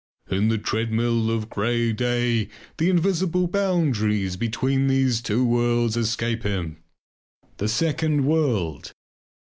In the treadmill of grey day the invisible boundaries between these two worlds escape him. The second world!